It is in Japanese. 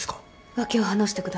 訳を話してください。